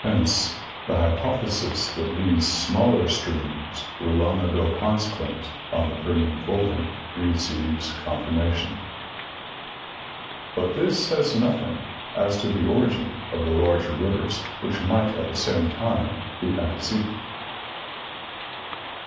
Hence the hypothesis that these smaller streams were long ago consequent on the Permian folding receives con firmation ; but this says nothing as to the origin of the larger rivers, which might at the same time be antecedent.